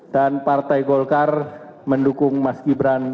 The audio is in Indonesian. dan partai golkar mendukung mas gibran